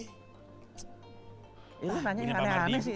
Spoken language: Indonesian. ini lo nanya yang aneh aneh sih